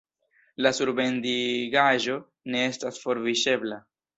La surbendigaĵo ne estas forviŝebla.